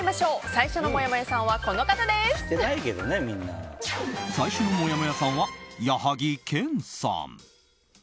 最初のもやもやさんは最初のもやもやさんは矢作兼さん。